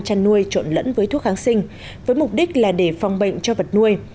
chăn nuôi trộn lẫn với thuốc kháng sinh với mục đích là để phòng bệnh cho vật nuôi